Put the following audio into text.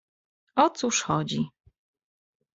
"O cóż chodzi?"